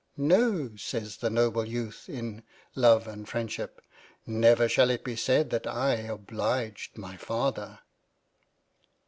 " No ! says the noble Youth in " Love and Freindship," " never | shall it be said that I obliged my father